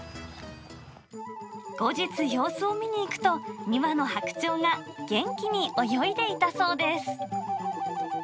後日様子を見に行くと、２羽の白鳥が元気に泳いでいたそうです。